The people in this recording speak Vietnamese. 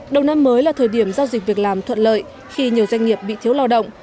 đầu năm mới là thời điểm giao dịch việc làm thuận lợi khi nhiều doanh nghiệp bị thiếu lao động